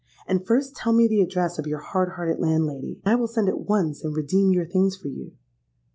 And first tell me the address of your hard hearted landlady: I will send at once and redeem your things for you.'